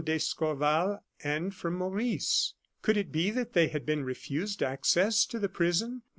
d'Escorval and from Maurice. Could it be that they had been refused access to the prison?